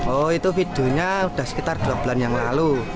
oh itu videonya sudah sekitar dua bulan yang lalu